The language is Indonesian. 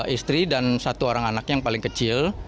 istri dan satu orang anaknya yang paling kecil